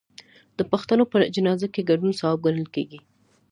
د پښتنو په جنازه کې ګډون ثواب ګڼل کیږي.